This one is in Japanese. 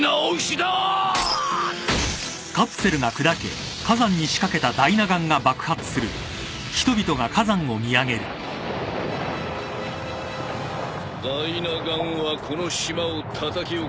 ダイナ岩はこの島をたたき起こしたようだな。